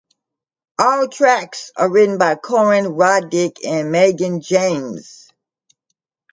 All tracks are written by Corin Roddick and Megan James.